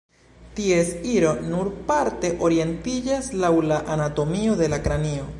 Ties iro nur parte orientiĝas laŭ la anatomio de la kranio.